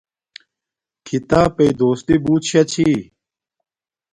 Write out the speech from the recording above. کھیتاپݵ دوستی بوت شاہ چھی